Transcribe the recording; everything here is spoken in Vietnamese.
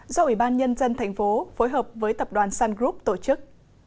do ủy ban nhân dân thành phố phối hợp với tập đoàn sun group tổ chức